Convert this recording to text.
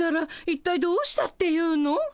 一体どうしたっていうの？